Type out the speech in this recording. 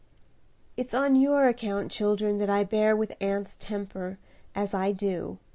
"It's on your account, children, that I bear with aunt's temper as I do.